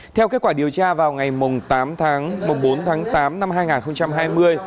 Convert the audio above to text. theo kết quả điều tra vào ngày bốn tháng tám năm hai nghìn hai mươi